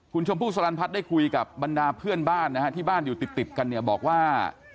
คุณชมพู่สลันพัฒน์ได้คุยกับบรรดาเพื่อนบ้านนะฮะที่บ้านอยู่ติดกันเนี่ยบอกว่า